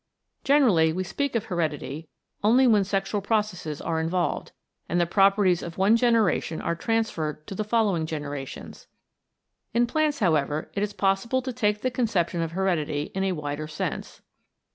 Generally, we speak of heredity only when sexual processes are involved, and the properties of one generation are transferred to the following generations. In plants, however, it is possible to take the conception of heredity in a wider sense.